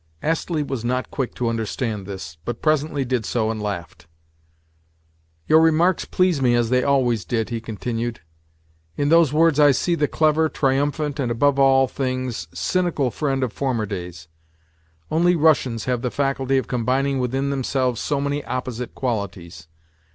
Astley was not quick to understand this, but presently did so and laughed. "Your remarks please me as they always did," he continued. "In those words I see the clever, triumphant, and, above all things, cynical friend of former days. Only Russians have the faculty of combining within themselves so many opposite qualities.